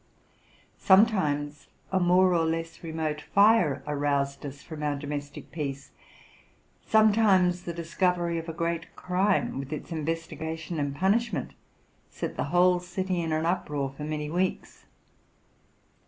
Sometimes a more or less remote fire aroused us from our domestic peace: sometimes the discovery of a great crime, with its investigation and punishment, set the whole city in an uproar for many weeks.